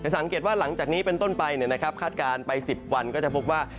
สังเกตว่าหลังจากนี้เป็นต้นไปคาดการณ์ไป๑๐วันก็จะพบว่า